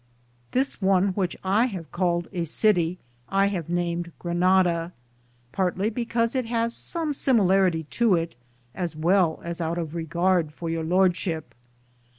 This one which I have called a city I have named Granada, partly because it has some similarity to it, as well as out of regard for Tour Lordship.